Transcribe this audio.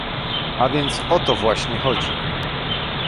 A więc o to właśnie chodzi